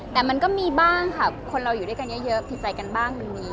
แต่มันก็มีบ้างค่ะคนเราอยู่ด้วยกันเยอะผิดใจกันบ้างมี